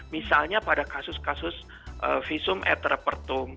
misalnya pada kasus kasus visum eterepertum